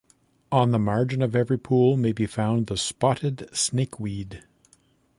On the margin of every pool may be found the spotted snakeweed.